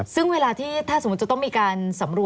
ซึ่งเวลาที่ถ้าสมมุติจะต้องมีการสำรวจ